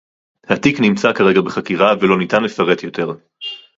התיק נמצא כרגע בחקירה ולא ניתן לפרט יותר